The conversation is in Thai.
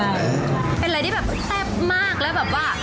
เป็นอะไรที่แบบแซ่บมากแล้วแบบว่า